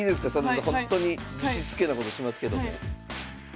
ほんとにぶしつけなことしますけども。